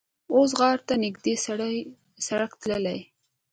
اوس غار ته نږدې سړک ختلی.